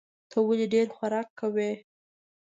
ته ولي ډېر خوراک کوې؟